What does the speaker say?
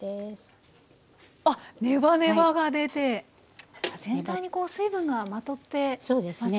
あっネバネバが出て全体に水分がまとってますね。